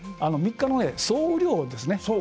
３日の総雨量ですね。